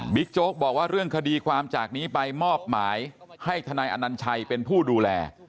โจ๊กบอกว่าเรื่องคดีความจากนี้ไปมอบหมายให้ทนายอนัญชัยเป็นผู้ดูแล